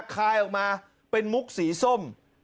คายออกมาเป็นมุกสีส้ม